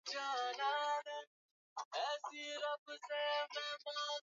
Siku ya Jumatano, alitoa wito wa kurekebishwa upya kwa kikosi cha kulinda amani cha Umoja wa Mataifa